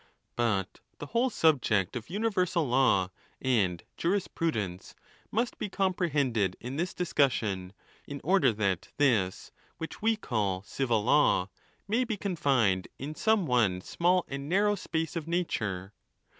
But the whole subject of universal law at jurispr udence must be comprehended in' this discussion, in order that this which we call civil law, may be confined in some one small and narrow space of nature.